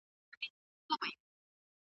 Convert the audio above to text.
یو ځل کاریدونکي تیغونه وکاروئ.